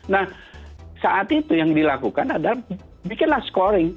nah saat itu yang dilakukan adalah bikinlah scoring